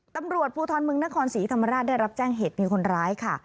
ตำรวจภูทรเมืองนครศรีธรรมราชได้รับแจ้งเหตุมีคนร้ายค่ะ